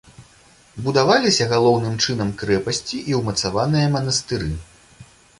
Будаваліся галоўным чынам крэпасці і ўмацаваныя манастыры.